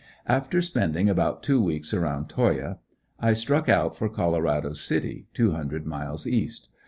After spending about two weeks around Toyah, I struck out for Colorado City, two hundred miles east.